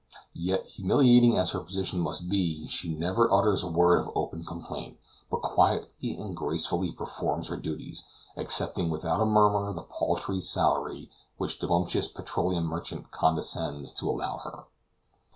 Yet, humiliating as her position must be, she never utters a word of open complaint, but quietly and gracefully performs her duties, accepting without a murmur the paltry salary which the bumptious petroleum merchant condescends to allow her.